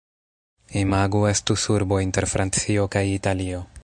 Imagu estus urbo inter Francio kaj Italio.